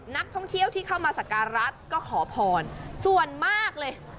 นักท่องเที่ยวที่เข้ามาสักการะก็ขอพรส่วนมากเลย